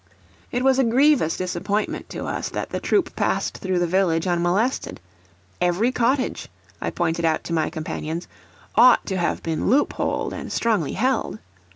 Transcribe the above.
It was a grievous disappointment to us that the troop passed through the village unmolested. Every cottage, I pointed out to my companions, ought to have been loopholed, and strongly held.